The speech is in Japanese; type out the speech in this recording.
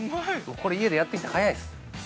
これ、家でやってきたら早いです。